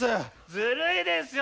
ずるいですよ！